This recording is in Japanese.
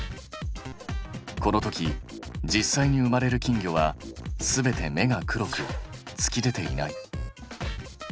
このとき実際に生まれる金魚は全て目が黒く突き出ていない。